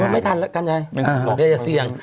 ไม่ทันแล้วกันไงหลวงได้อย่าเสี่ยง